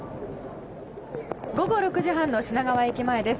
午後６時半の品川駅前です。